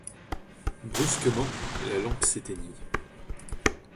Brusquement, la lampe s'éteignit.